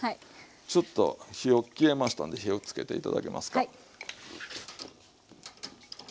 ちょっと火を消えましたんで火をつけて頂けますか。